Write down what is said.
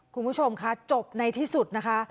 คุณผู้ชมค่ะจบในที่สุดนะคะ